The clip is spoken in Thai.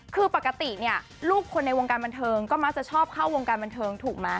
คือปกติเนี่ยลูกคนในวงการบันเทิงก็มักจะชอบเข้าวงการบันเทิงถูกไหม